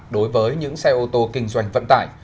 đối với những xe ô tô kinh doanh vận tải